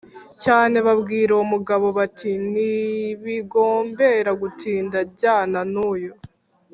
cyane babwira uwo mugabo bati: “Ntibigombera gutinda, jyana n’uyu